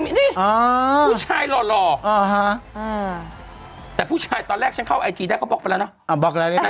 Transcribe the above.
พูดชายหล่อแต่พูดชายตอนแรกเข้าไอจีได้เขาบอกไปแล้วนะ